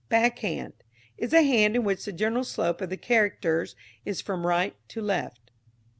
Back Hand is a hand in which the general slope of the characters is from right to left.